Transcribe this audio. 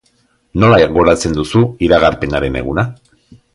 Nola gogoratzen duzu iragarpenaren eguna?